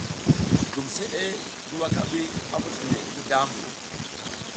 Gumsʼe ngi wakabi a muc le ngi dambu.